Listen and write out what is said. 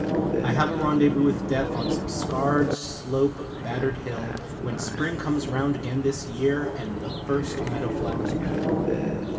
I have a rendezvous with Death On some scarred slope of battered hill, When Spring comes round again this year And the first meadow flowers appear.